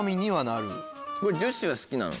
女子は好きなの？